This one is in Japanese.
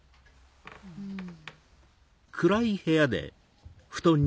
うん。